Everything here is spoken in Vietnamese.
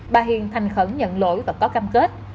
bà hiền thành khẩn nhận lỗi và có cam kết